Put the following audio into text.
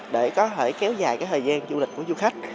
để có thể kéo dài thời gian du lịch của du khách